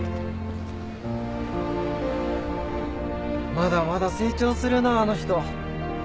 まだまだ成長するなあの人。